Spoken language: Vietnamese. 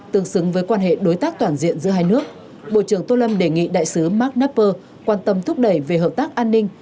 tương xứng với quan hệ đối tác toàn diện giữa hai nước bộ trưởng tô lâm đề nghị đại sứ marknapper quan tâm thúc đẩy về hợp tác an ninh